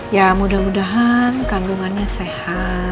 ya mudah mudahan kandungannya sehat